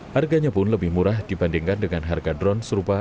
harganya pun lebih murah dibandingkan dengan harga drone serupa